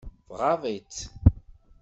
Tɣaḍ-itt.